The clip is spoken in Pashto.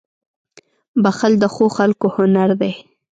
• بښل د ښو خلکو هنر دی.